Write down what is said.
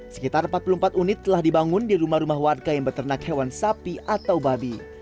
sekitar empat puluh empat unit telah dibangun di rumah rumah warga yang beternak hewan sapi atau babi